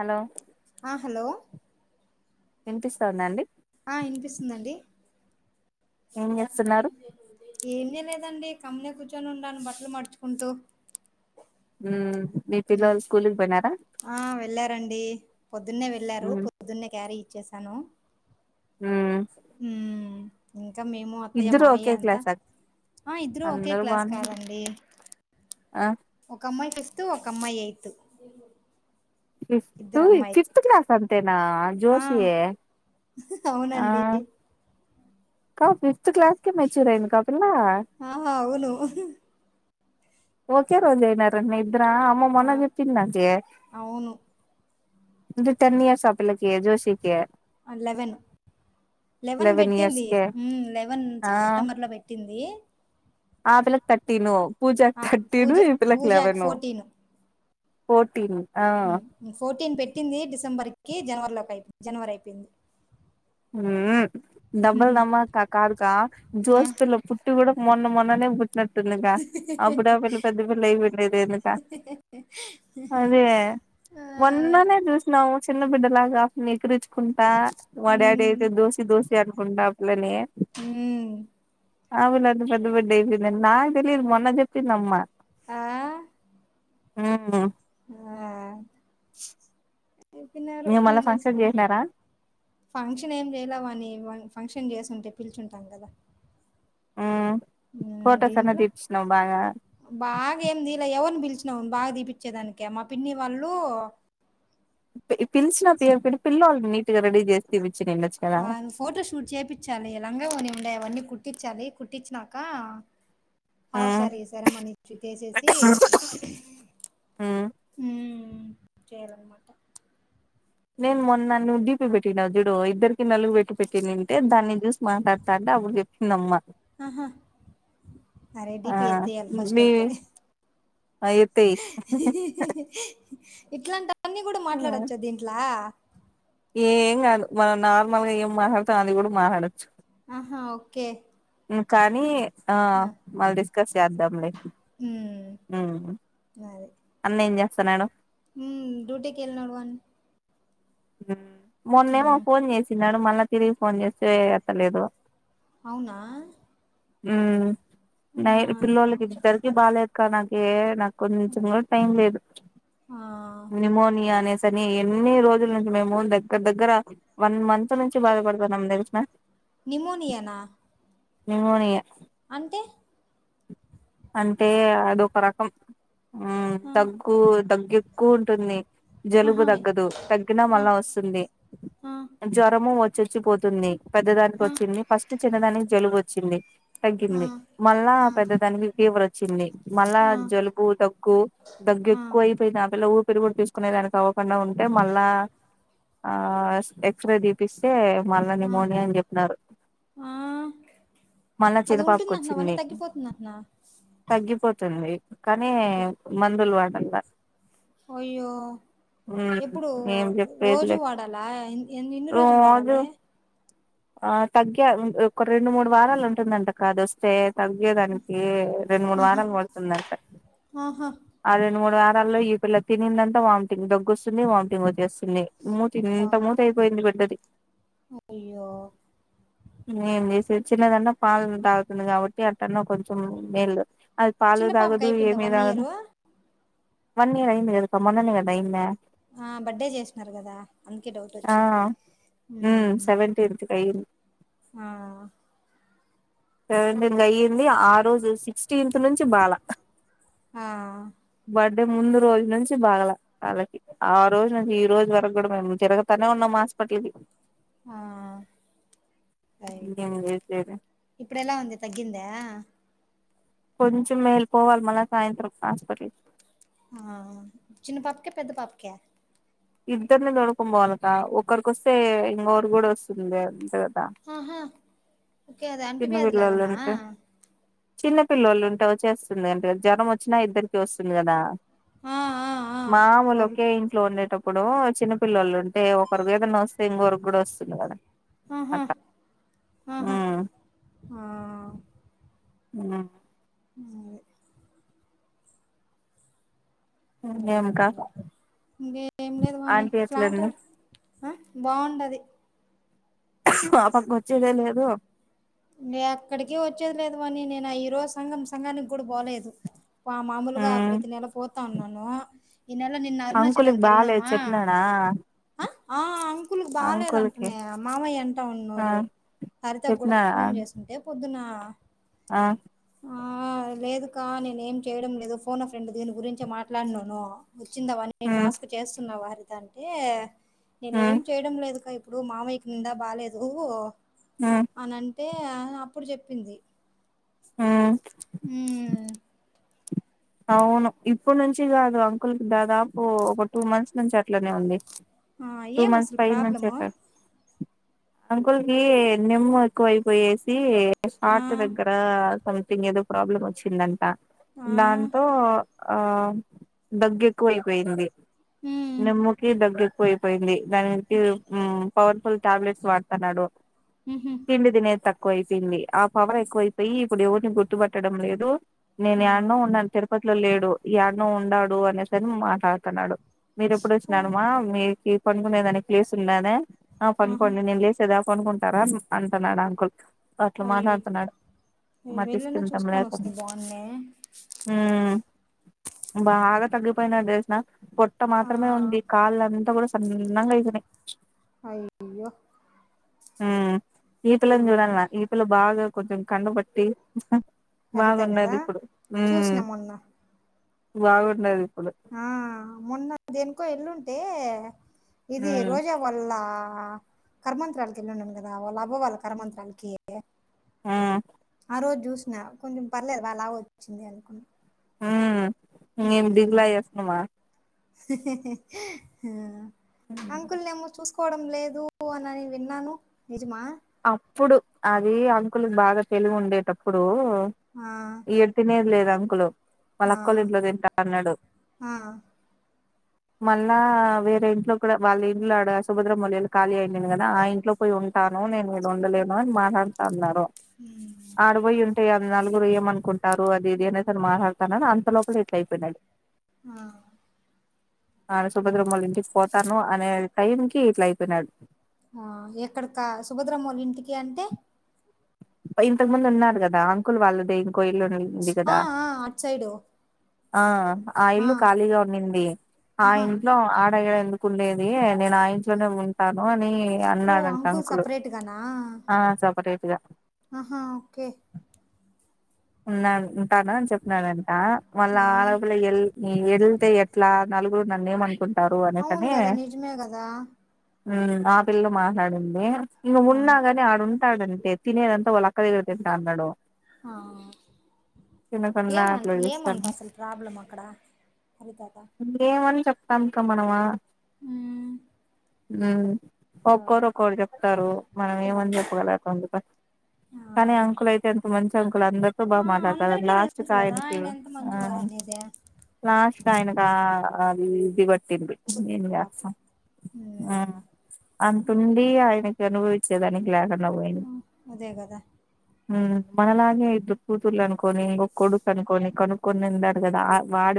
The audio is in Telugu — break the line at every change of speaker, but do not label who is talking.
హలో
ఆ హలో
వినిపిస్థంద అండి
ఆ ఇనిపిస్తుందండి
ఏం చేస్తున్నారు
ఎం మీ లేదండి కమ్మలే కూర్చొని ఉండాను బట్టలు మడుచుకుంటూ
హుమ్మ్
ఆ వెళ్ళారండి పొద్దున్నే వెళ్ళారు
మ్మ్
పొద్దున్నే క్యారీ ఇచ్చేసాను
ఆ
హుమ్మ్ ఇంకా మేము అత్తయ్య
ఇద్దరు ఒకే
మావయ్య అంతా
క్లాసా
ఆ ఇద్దరు ఒకే
అందరూ
క్లాస్
బానే
కాదండి
ఆ
ఒక అమ్మాయి ఫీఫ్ఫ్ట్ ఒక అమ్మాయి అయిత్
ఫిఫ్త్ ఫిఫ్త్ క్లాస్ అంతేనా
ఆ
జోషియే
అవునండి
క ఫిఫ్త్ క్లాస్ కే మెచ్యూర్ ఆఇంది కా పిల్ల
ఆహ అవును
ఓకే రోజ నా రా మీ ఇద్దరా అమ్మ
ఆ
మొన్న చెప్పింది నాకి
అవును
అంటే టెన్ ఇయర్స్ ఆ పిల్లకి జోషికి
లెవెన్ లెవెన్
ఇయర్స్
పెట్టింది
కే
ఉమ్ లెవెన్
ఆ
సెప్టెంబర్ లో పెట్టింది
ఆ పిలక్ థర్టీను పూజా కి
ఆ!
థర్టీను
పూజ
ఈ పిల్లక్
పూజాకి
లెవెను పోటీన్
ఉమ్ ఫోర్టీన్ పెట్టింది డిసెంబర్కిి జనవరి లోకి అయిపోంది జనవరి అయిపోయింది
ఉమ్ డబ్బల్ దమ్మాకా కార్ క
ఆ!
జోస్పిిల్ పుట్ కూడా మొన్న మొన్ననే పుట్ ఉనట్టుంది గా అప్పుడే ఆ పిల్ల పెద్ద పెళ్ల్ల అయిపోండేది ఎందుకు అదే
ఆ!
మొన్ననే చూసిన ఉ చిన్న బిడ్డలాగా నీకిరిచ్చుకుంటా మా డాడీ
హ్మ్.
అయితే దోసి దోసి అనుకుంటా లేనే
హ్మ్.
అవును అంత పెద్ద బిడ్డ అయిపోయింది నాకు తెలియదు మొన్న చెప్పింది అమ్మ
ఆ
ఉ
ఆ! చెప్పినారు ఏం చేసేది ఫంక్షన్ ఏం చేయలే వాణి ఫంక్షన్ ఫంక్షన్ చేసింటే పిలుచుంటాం కదా
మ్మ్
ఉమ్
ఫొటోస్ అన్నా
ఇంట్లో
తీపిచ్చినావు బాగా
బాగా ఏమింది తీలే ఎవని పిలిచ చినాం బాగా దీపచ్చేదానిక మా పిన్ని వాళ్ళు
పిలిచిన పేరు పెడి పిలవాళని నీట్ గా రెడీ చేస్తే తీపి
ఆ ఫోటో షూట్ చేయించాలి లంగా వోని ఉండాయి అవన్నీ కుట్టించాలి కుట్టించినక హాఫ్
మ్మ్
సారీ శరమనిట్టసేసి
మ్మ్
ఉమ్ చేయాలమాట
నేను మొన్న ను డిపి పెట్టినవ్ జిడు ఇద్దరికి నలుగు పెట్టి పెటి నింటే దాన్ని చూసి మాట్లాడతా టా అప్పుడు చెప్పంది అమ్మ
ఆహా అరే
ఆ
డిపిి ఎత్తేయాలి ఫాస్ట్
మీ
అయితే
ఎత్తేయి
ఇట్లాంటిన్నీ కూడా మాట్లాడవచ్చు దీంట్లా
ఏం కాదు మనం నార్మల్ గా ఏం మాట్లాడుతాం అది కూడా మాట్లాడచ్చు
ఆహా ఓకే
కానీ ఆ మళ్ళీ డిస్కస్ చేద్దాం లే
మ్మ్,
ఉహూ అన్న ఏం చేస్తానాడు
ఉ డ్యూటీ కి వెళ్ళినాడు వాణి
ఉ మొన్నేమో ఫోన్ చేసినడు మళ్ళా తిరిగి ఫోన్ చేస్తే ఎత్తలేదు
అవునా
ఉ నై
ఆ,
పిల్లలకి
యా-
ఇద్దరికీ బాగాలేదు కా నాకే నాకు కొంచెం కూడా టైం లేదు
ఆ,
నిమోనియా అనే సని ఎన్ని రోజుల ను మేము దగ్గర దగ్గర వన్ మంత్ నుంచి బాధపడుతున్నాం తెలిసిన
నిమోనియానా
నిమోనియా
అంటే
అంటే అదొక రకం ఉ
ఆ,
దగ్గు దగ్గు ఎక్కువ ఉంటుంది జలుబు
ఆహా
తగ్గదు తగ్గినా
ఆ,
మళ్ళ వస్తుంది
ఆ,
జ్వరము వ చొచ్చిపోతుంది పెద్ద దానికి
ఆ,
వచ్చింది ఫస్ట్ చిన్నదానికి జలుబు వచ్చింది
ఆ,
తగ్గింది మళ్ళా పెద్ద దానికి ఫీవర్ వచ్చింది మళ్ళా
ఆ,
జలుబు దగ్గు దగ్గు
ఆ, ఆ.
ఎక్కువ అయిపోయింది ఆ పిల్ల ఊ ఊపిరి తీసుకునే దానికి అవ్వకుండా ఉంటే మళ్ళా ఆ ఎక్స్రే తీపిస్తే మళ్ళా
ఆ
నిమోనియా అని చెప్పినారు
ఆ
మల్ల
అది
చిన్న పాపకి
ఉంటుందంటున్నావని
వచ్చింది
తగ్గిపోతుందంటున్నా
తగ్గిపోతుంది కానీ
తగ్గి
మందులు వాడలాా
అయ్యో ఎప్పుడు
ఏం
రోజు
చెప్పేదిలే
వాడాలా ఇన్ని రోజులు
రోజు
వాడాలి
ఆ తగ్గ ఒక రెండు మూడు వారాలు ఉంటుందంట కాదు వస్తే తగ్గేదానికి రెండు మూడు
ఆహా
వారాలు పడుతుందింట
ఆహా
అదే రెడు మూడు వారాలల్లో ఈ పిల్ల తినందంతా వామిటింగ్ దగ్ొస్తుంది వామిటింగ్ వచ్చేస్తుంది మూ
అబ్బా
తింత మూత అయిపోయింది బిడ్డది
అయ్యో
ఏేం చేసే చిన్నదండ పాలు తాగుతుంది కాబట్టి అట్న్న కొంచెం మేలు అది పాలు
చిన్న పాపకి
తాగదు
అయిపోయిందా
ఏం
వన్
తాగదు
ఇయరు
వన్ ఇయర్ అయింది కదక్కా మొన్నే కదా అయింది
ఆ బర్డే చేసినారు కదా అందుకే డౌట్
ఆ
వచ్చింది
కై
ఆ
సెవెంటీన్ అయ్యంది ఆ రోజు సిక్స్టీన్త్ నుంచి బాాల
ఆ
బ అంటే ముందు రోజు నుంచి బాగాల వాళ్ళకి ఆ రోజు నుంచి ఈ రోజు వరకు కూడా మేము తిరగతనే ఉన్నాం మాస్ ప లే
ఆ
సర [unintelligible]
ఇప్పుడెలా ఉంది తగ్గిందా
కొంచం మేల్ కోవాలి మళ సాయంత్రం కాస్పడ
ఆ చిన్న పాపక పెద్ద పాపక
ఇద్దరిని తోలుక పోవాలక ఒకరికిొస్తే ఇంకరి కూడా వస్తుంది అంత
ఆహా ఓకే అది
చిన్న
అంటువ్యాధి
పిల్లోళ్ళు
లాగనా
ఉంటే చిన్న పిల్లలు ఉంటే వచ్చేస్తుంది అంటే జ్వరం వచ్చినా ఇద్దరికి వస్తుంది కదా
ఆ ఆ ఆ వాళ్ళు
మాముూలుకే ఇంట్లో ఉండట ఇప్పుడు చిన్న పిల్లలు ఉంటే ఒకరుకి ఏదైనా వస్తే ఇంకొరకు కూడా వస్తుంది కదా అట్లా
ఆాహాాహా
ఉమ్
ఆ
ఆ
అ
ఇంకేంకా
ఇంకే ఏం లేదు వానీ
ఆంటీ ఎట్లుంది
ఫ్లాట్ారు ఆ బాగుండది
ఆ పక్క వచ్చేలే లేదు
అక్కడికి వచ్చేది లేదు అని నేను ఆ ఈ రోజు సంఘం సంఘానికి కూడా పోలేదు పా మాములుగా
ఉమ్
ప్రతినెల పోతా అననను ఇనెలా నిన్న
అంకుల్కి
అరుణాచలంగా
బాలేదు
కెల్నమ్మా
చెప్పినాడా
స్కూల్
అంకుల్కి
బాలేదుంటున్నాయా మామయ్య ఎంట
ఆ
ఉన్నారు హరిత కి కూడా
చెప్పినాడా
ఫోన్ చేసింటే పొద్దున
ఆ
ఆ లేదు కా నేనే ఏం చేయడం లేదు ఫోన్ ఫ్రెండ్ దీని గురించి మాట్లాడినను వచ్చిందవన్నీ
ఉమ్
టాస్క్ చేస్తున్న హరిత అంటే నేను ఏం
ఉమ్
చేయడం లేదు కా ఇప్పుడు మామయ్యకి నింద బాలలేదు
ఆ
అని అంటే అప్పుడు చెప్పింది
ఉమ్ అవును ఇప్పుడు నుంచి కాదు అంకుల్ దాదాపు ఒక టూ మంత్స్ నుంచి అట్లనే ఉంది
ఆ
టూ
ఏం
మంత్స్
అసలు
ఫై మంత్
ప్రాబ్లము
చెప్పాారు అంకుల్కి నిమ్ము ఎక్కువైపోయేసి
ఆ
ార్ట్ దగ్గర సంథింగ్ ఏదో ప్రాబ్లం వచ్చిందంట
ఆ
దా ఆ దగ్గెక్కువయిపోయింది
మ్మ్
నీమ్ముకి దగ్గెక్కు యిపోయింది దాని కి పవర్ ఫుల్ టాబ్లెట్స్ వాడుతున్నాడు
మ్హు
తిండి తినేది తక్కువయి పోయింది ఆ పవర్ ఎక్కువైపోయి ఇప్పుడు ఎవరిని గుర్తుపట్టడం లేదు, నేను
ఆ
యాన్నో ఉన్నాను తెర్ ట్ లో లేడు యాడ్నో ఉండాడు అనే సరి మాట్లాడతున్నాడు. మీర ఎప్పుడు
ఓ
వచ్చినాడుమ్మా మీకి పడుగునేదాని ప్లేసు ఉన్నదా ఆ
ఆహా
పనుకోండి నేను లేసేదా పనుకుంటారా అంటున్నాడు అంకుల్. అట్లా మాట్లాడుతున్నాడు,
అయ్యో వెళ్ళనా
మతిస్థిమితం
చూసుకొని
లేకుండ
వస్తే బాగున్నే
ఉమ్ బాగా తగ్గిపోయినడేసిన పొట్ట
ఆ
మాత్రమే ఉంది, కాళ్ళంతా కూడా సన్నంగా ఐపో అ
అయ్యో
హ్మ్ ఈ
ఆ
పిల్లని చూడాల్ల, ఈ పిల్ల బాగా కొంచెం కండ పట్టి
హరిత కదా
బాగుంన్నాది ఇప్పుడు ఉమ్
చూసిన మొన్న
బాగుండదు.
ఆ మొన్న దేనుకో ఎల్లుంటే, ఇది
ఉమ్
రోజా వల్ల ఆ కర్మంతరాలకి వెళ్లినం కదా, ఆ వాళ్ళ అవ్వవాలు కర్మంతరాలకి
ఆ
ఆ రోజు జూసిన కొంచెం పర్లేదు వలా వచ్చింది అనుకున్
ఉమ్ మేం దిగులా చేస్తమా
అంకుల్ నేమో చూస్ కోవడం లేదు అనని విన్నాను నిజమా?
అప్పుడు అది అంకులుకి బాగా తెలివి ఉండేటప్పుడు
ఆ
ఏం తినేద్ లేదు అంకులు
ఆ
మలక్కోలింట్లో తింటా అన్నాడు.
ఆ
మళ్ళా వేరే ఇంట్లో కూడా, వాళ్ళ ఇంట్లో ఆడ సుభద్ర మౌల్యలు కాలీ అయిపోయింది కదా ఆ ఇంట్లో పోయి ఉంటా ను నేను ఇడ ఉండలేను అని మాట్లాడుతా అన్నారు, ఆడ పోయి ఉంటే అ నలుగురు యేమనుకుంట టారు అది ఏదైనా సరె మాట్లాడుతాన అంత లోపలే ఇట్ల అయిపోయినాడు.
ఆ
ఆడ సుభద్రమ్మోలింటికి పోతాను అనే టైం కి ఇట్లా అయిపోయినాడు.
ఆ ఎక్కడకా సుభద్రమ్మోలింటికి అంటే?
ఇంతకు ముందు ఉన్నారు కదా అంకుల్ వాళ్ళది. కోయిల్ లోనే ఉంది కదా.
ఆ ఆ అటు సైడు
ఆ ఆ ఇల్లు ఖాళీగా ఉండింది, ఆ
ఆహా
ఇంట్లో ఆడగ ఎందుకుండేది నేను ఆ ఇంట్లోనే ఉంటాను ని
ఓ
అన్నాడంట
అంకుల్
అంకులు
సపరేట్గానా
ఆ సపరేట్
ఆహా ఓకే
ఉన్నాను ఉంటాను అని చెప్పినడంట, వాళ్ళా
ఆ
ఆడపిల్ల ఎల్ యేళ్తే ఎట్లా నలుగురు నన్నేమనుకుంట్
అవును కదా నిజమే కదా
ఉమ్ ఆ పిల్ల మాట్లాడింది, ఈమె
ఆ
ఉన్నా గని ఆడుంటాడం తినేదంత వల అక్క దగ్గర తింటా అన్నాడు.
ఆ
తినకుండా
ఏమన్
అట్లా
ఏమంట
చేస్తాను
అసలు ప్రాబ్లం అక్కడ, హరి తాత
కం కమనవా
ఉమ్
హ్మ్ ఒక్కొరు ఒక్కొటి చెప్తారు, మనం
ఆ
ఏమని చెప్పగలం అట్లుందిప
ఆ
కానీ అంకుల్ అయితే ఎంత మంచి అంకులు అందరితో బాగా
ఆ,
మాట్లాడతారు,
అందరికీ
లాస్ట్
తెలుసు కదా
కాయనకి
ఆయన ఎంత
ఆ
మంచివారు అనేది
లాస్ట్ కాయనక ఆ అది ఇది ప అట్లుంది ఏం
పాపం
చేస్తాం, ఆ
మ్మ్
అంటుంది ఆయనకి అనుభవించేదానికి లేకుండా పోయింది.
అ
హ మనలాగే ఇటు కూతుర్ అనుకని కొడుకు అనుకని కనుకుొ ని నిందాడు కదా ఆ వాడి